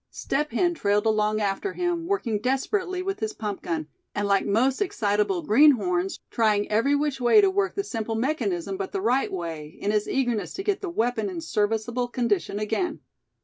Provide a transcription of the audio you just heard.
Step Hen trailed along after him, working desperately with his pump gun; and like most excitable greenhorns, trying every which way to work the simple mechanism but the right way, in his eagerness to get the weapon in serviceable condition again.